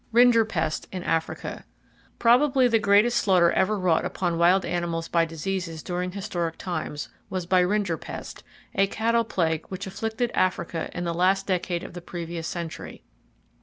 Rinderpest In Africa. —Probably the greatest slaughter ever wrought upon wild animals by diseases during historic times, was by rinderpest, a cattle plague which afflicted Africa in the last decade of the previous century.